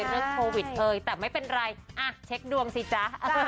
เรื่องโควิดเอ่ยแต่ไม่เป็นไรอ่ะเช็คดวงสิจ๊ะ